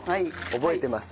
覚えてます。